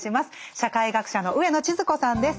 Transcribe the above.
社会学者の上野千鶴子さんです。